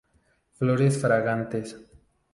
Flores fragantes.